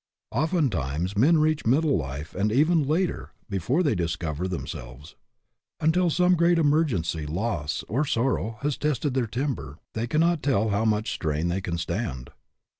Oftentimes men reach middle life, and even later, before they really discover themselves. Until some great emergency, loss, or sorrow, has tested their timber they cannot tell how much strain they can stand.